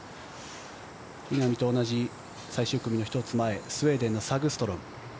稲見と同じ最終組の１つ前スウェーデンのサグストロム。